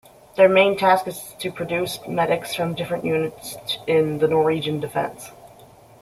Their main task is to produce medics for different units in the Norwegian defence.